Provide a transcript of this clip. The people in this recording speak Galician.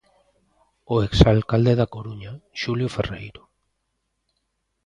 O ex alcalde da Coruña, Xulio Ferreiro.